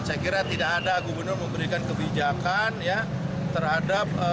saya kira tidak ada gubernur memberikan kebijakan ya terhadap